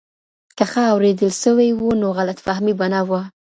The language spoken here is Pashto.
که ښه اورېدل سوي و نو غلط فهمي به نه وه.